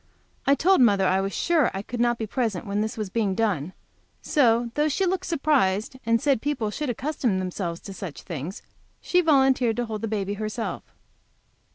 I told mother I was sure I could not be present when this was being done, so, though she looked surprised, and said people should accustom themselves to such things, she volunteered to hold baby herself.